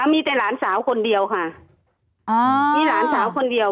มีแต่หลานสาวคนเดียวค่ะอ่ามีหลานสาวคนเดียว